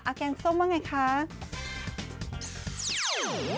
อ้าวแกงส้มว่าอย่างไรคะ